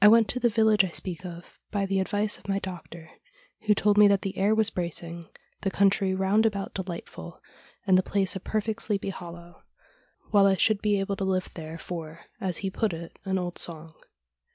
I went to the village I speak of by the advice of my doctor, who told me that the air was bracing, the country round about delightful, and the place a perfect sleepy hollow, while I should be able to live there for, as he put it, ' an old song.'